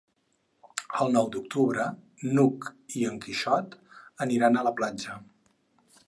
El nou d'octubre n'Hug i en Quixot aniran a la platja.